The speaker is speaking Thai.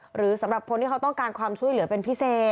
หรือสำหรับคนที่เขาต้องการความช่วยเหลือเป็นพิเศษ